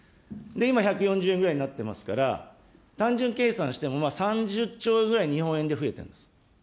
今、１４０円ぐらいになっていますから、単純計算しても、３０兆ぐらい、日本円で増えています。